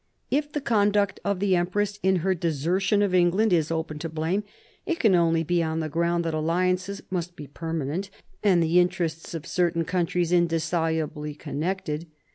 If the conduct of the empress in her desertion of England is open to blame, it can only be on the ground that alliances must be permanent and the interests of certain countries indissolubly connected.